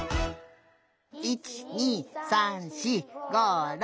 １２３４５６７８！